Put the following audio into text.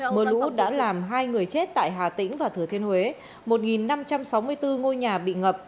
mưa lũ đã làm hai người chết tại hà tĩnh và thừa thiên huế một năm trăm sáu mươi bốn ngôi nhà bị ngập